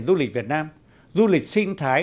du lịch việt nam du lịch sinh thái